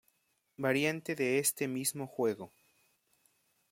Variante de este mismo juego.